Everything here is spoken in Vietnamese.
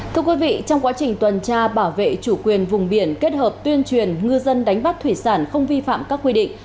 thưa quý vị trong quá trình tuần tra bảo vệ chủ quyền vùng biển kết hợp tuyên truyền ngư dân đánh bắt thủy sản không vi phạm các quy định